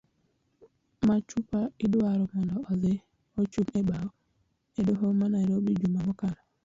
Machupa idwaro mondo odhi ochung' e bao e doho ma nairobi juma mokalo